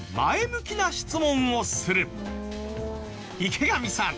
池上さん